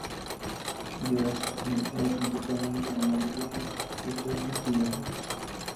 Gears se usaba principalmente en algunos recursos de Yahoo!